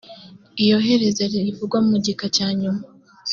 iyohereza rivugwa mu gika cya nyuma